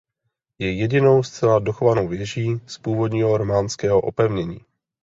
Je jedinou zcela dochovanou věží z původního románského opevnění.